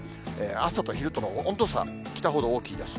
朝と昼との温度差、北ほど、大きいです。